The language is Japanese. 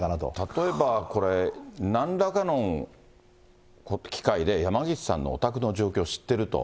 例えばこれ、なんらかの機会で山岸さんのお宅の状況を知ってると。